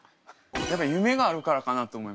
やっぱ夢があるからかなと思います。